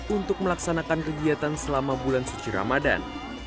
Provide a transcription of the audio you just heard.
untuk melaksanakan kegiatan selama bulan suci ramadan